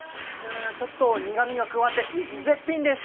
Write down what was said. ちょっと苦みが加わって絶品です。